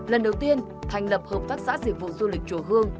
lần đầu tiên thành lập hợp tác xã dịch vụ du lịch chùa hương